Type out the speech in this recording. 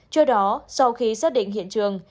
trước đó sau khi xác định hiện trường